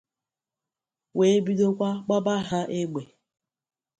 wee bidokwa gbaba ha égbè